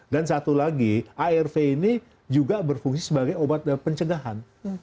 dan satu lagi arv ini juga berfungsi sebagai obat pencegahan